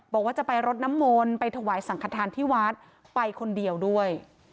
บอกว่าจะไปรดน้ำมนต์ไปถวายสังขทานที่วัดไปคนเดียวด้วย